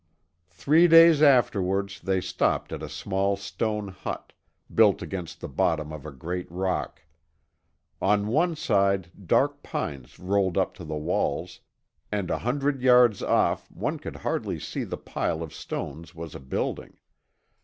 Three days afterwards, they stopped at a small stone hut, built against the bottom of a great rock. On one side dark pines rolled up to the walls, and a hundred yards off one could hardly see the pile of stones was a building.